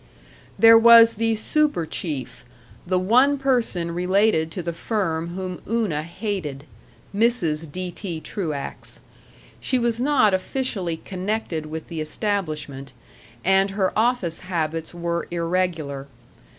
There was the super chief, the one person related to the firm whom Una hated Mrs. D. T. Truax. She was not officially connected with the establishment, and her office habits were irregular.